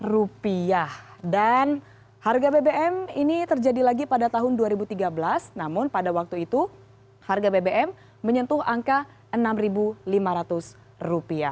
rp enam lima ratus dan harga bbm ini terjadi lagi pada tahun dua ribu tiga belas namun pada waktu itu harga bbm menyentuh angka rp enam lima ratus